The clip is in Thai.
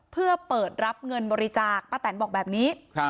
เพื่อเปิดรับเงินบริจาคป้าแตนบอกแบบนี้